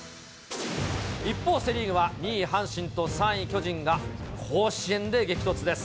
一方、セ・リーグは２位阪神と３位巨人が甲子園で激突です。